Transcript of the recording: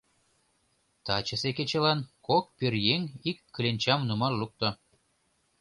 Тачысе кечылан кок пӧръеҥ ик кленчам нумал лукто.